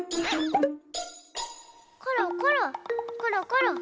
ころころころころ。